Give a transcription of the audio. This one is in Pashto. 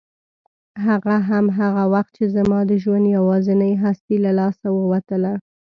هغه هم هغه وخت چې زما د ژوند یوازینۍ هستي له لاسه ووتله.